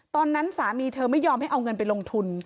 ตอนนั้นสามีเธอไม่ยอมให้เอาเงินไปลงทุน